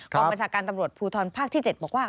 กรรมบัญชาการตำรวจภูทรภาคที่๗บอกว่า